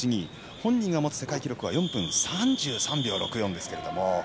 本人が持つ世界記録は４分３３秒６４ですが。